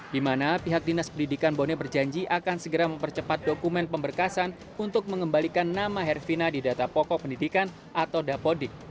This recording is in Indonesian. di mana pihak dinas pendidikan bone berjanji akan segera mempercepat dokumen pemberkasan untuk mengembalikan nama herfina di data pokok pendidikan atau dapodik